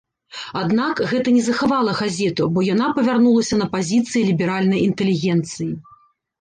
Аднак, гэта не захавала газету, бо яна павярнулася на пазіцыі ліберальнай інтэлігенцыі.